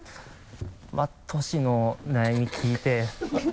まぁトシの悩み聞いて。